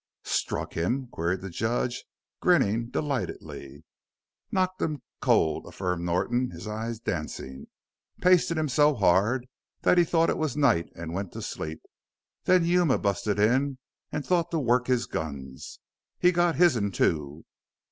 "Struck him?" queried the judge, grinning delightedly. "Knocked him cold," affirmed Norton, his eyes dancing. "Pasted him so hard that he thought it was night an' went to sleep. Then Yuma busted in an' thought to work his guns. He got his'n, too.